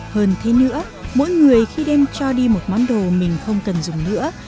hơn thế nữa mỗi người khi đem cho đi một món đồ mình không cần dùng nữa